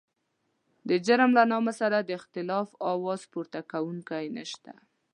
د جرم له نامه سره د اختلاف اواز پورته کوونکی نشته.